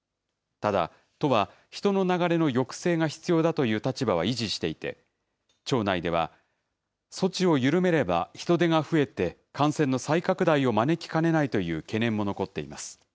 ただ、都は、人の流れの抑制が必要だという立場は維持していて、庁内では、措置を緩めれば、人出が増えて、感染の再拡大を招きかねないという懸念も残っています。